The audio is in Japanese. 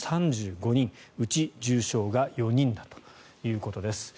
３５人うち、重症が４人だということです。